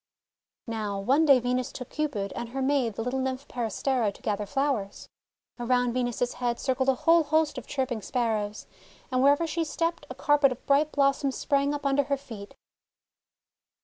Now, one day Venus took Cupid, and her maid the little Nymph Peris tera, to gather flowers. Around Venus's head circled a whole host of chirping Sparrows, and wherever she stepped, a carpet of bright blossoms sprang up under her feet.